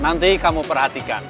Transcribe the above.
nanti kamu perhatikan